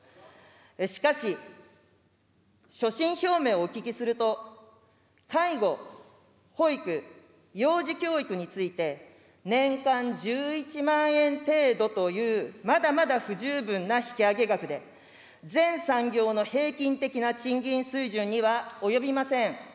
しかし、所信表明をお聞きすると、介護、保育、幼児教育について、年間１１万円程度という、まだまだ不十分な引き上げ額で、全産業の平均的な賃金水準には及びません。